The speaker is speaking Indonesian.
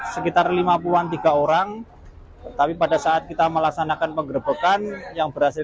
sekitar lima puluh an tiga orang tapi pada saat kita melaksanakan penggerbekan yang berhasil